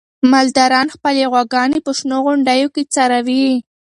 مالداران خپلې غواګانې په شنو غونډیو کې څروي.